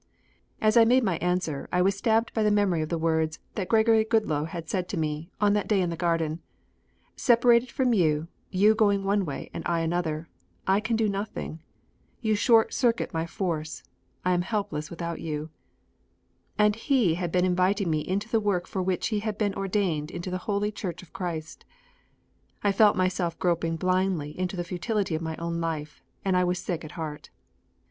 As I made my answer I was stabbed by the memory of the words that Gregory Goodloe had said to me on that day in the garden: "Separated from you, you going one way and I another, I can do nothing. You short circuit my force I am helpless without you." And he had been inviting me into the work for which he had been ordained into the holy Church of Christ. I felt myself groping blindly into the futility of my own life, and I was sick at heart.